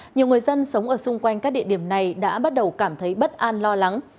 nhiều người dân sống ở xung quanh các địa điểm này đã bắt đầu cảm thấy bất an lo lắng